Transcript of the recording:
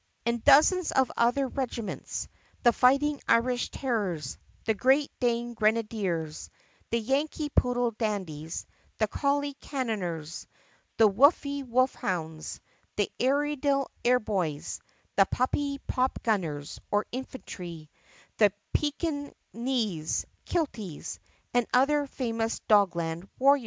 And dozens of other regiments — the Fighting Irish Terriers, the Great Dane Grenadiers, the Yankee Poodle Dandies, the Collie Cannoneers, the Woofy Wolfhounds, the Airedale Airboys, the Puppy Popgunners (or infantry), the Peekin' knees Kilties, and other famous Dogland warriors.